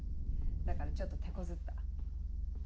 だからちょっとてこずった。